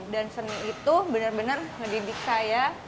dan seni itu bener bener ngedidik saya